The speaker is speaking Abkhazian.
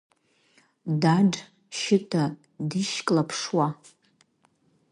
Даџь Шьыта дишьклаԥшуа.